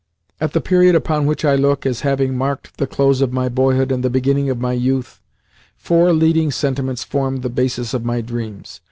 At the period upon which I look as having marked the close of my boyhood and the beginning of my youth, four leading sentiments formed the basis of my dreams.